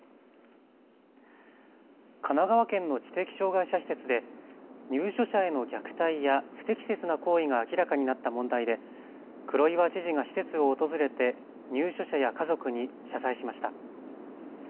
神奈川県の知的障害者施設で入所者への虐待や不適切な行為が明らかになった問題で黒岩知事が施設を訪れて入所者や家族に謝罪しました。